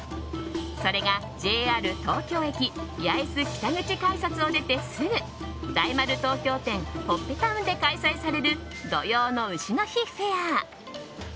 それがＪＲ東京駅八重洲北口改札を出てすぐ大丸東京店ほっぺタウンで開催される土用の丑の日フェア。